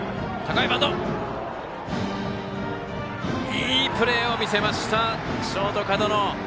いいプレーを見せましたショート、門野。